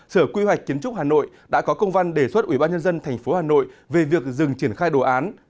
sở quy hoạch kiến trúc hà nội đã có công văn đề xuất ủy ban nhân dân tp hà nội về việc dừng triển khai đồ án